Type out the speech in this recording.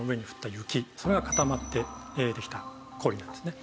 それが固まってできた氷なんですね。